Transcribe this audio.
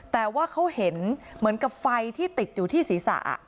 แต่ว่าเขาเห็นเหมือนกับไฟที่ติดอยู่ที่ศีรษะ